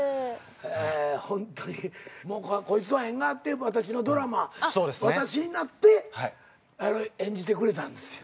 ホントにこいつは縁があって私のドラマ私になって演じてくれたんですよ。